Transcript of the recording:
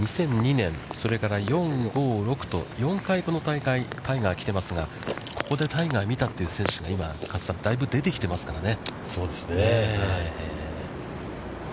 ２００２年、それから４、５、６とこの大会にタイガーがここでタイガー見たという選手が加瀬さん、だいぶ出てきてますからね。